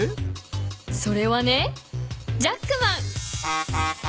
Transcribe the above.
それはねジャックマン。